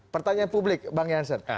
pertanyaan publik bang jansen